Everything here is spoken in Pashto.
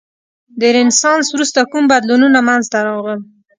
د رنسانس وروسته کوم بدلونونه منځته راغلل؟